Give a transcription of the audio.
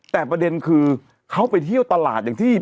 แต่ประเด็นคือเขาไปเที่ยวตลาดอย่างที่